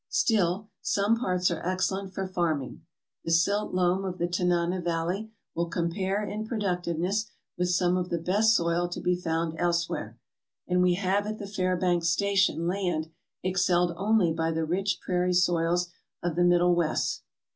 Still, some parts are excellent for farming. The silt loam of the Tanana Valley will compare in productiveness with some of the best soil to be found elsewhere, and we have at the Fair banks station land excelled only by the rich prairie soils of the Middle West.